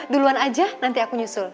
duluan aja nanti aku nyusul